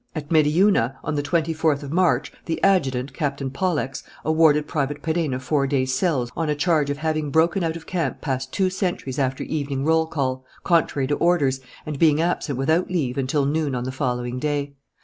At Médiouna, on the twenty fourth of March, the adjutant, Captain Pollex, awarded Private Perenna four days' cells on a charge of having broken out of camp past two sentries after evening roll call, contrary to orders, and being absent without leave until noon on the following day.